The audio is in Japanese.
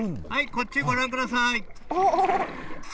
こっち、ご覧ください。